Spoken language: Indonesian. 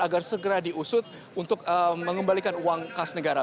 agar segera diusut untuk mengembalikan uang khas negara